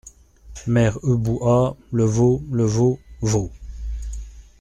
Mère Ubu Ah ! le veau ! le veau ! veau !